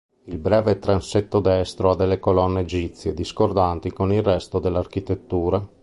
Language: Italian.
Il breve transetto destro ha delle colonne "egizie" discordanti col resto dell'architettura.